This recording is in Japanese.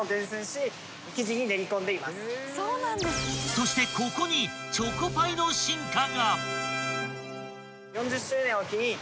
［そしてここにチョコパイの進化が］